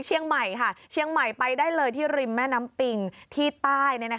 เชียงใหม่ได้เลยที่ริมแม่น้ำปิ่งที่ใต้